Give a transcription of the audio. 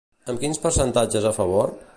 Amb quins percentatges a favor?